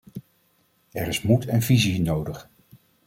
Er is moed en visie nodig.